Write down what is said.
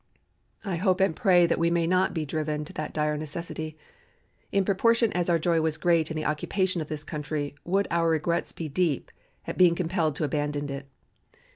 "I hope and pray that we may not be driven to that dire necessity. In proportion as our joy was great in the occupation of this country would our regrets be deep at being compelled to abandon it.